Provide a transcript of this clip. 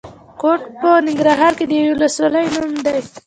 کوټ په ننګرهار کې د یوې ولسوالۍ نوم دی.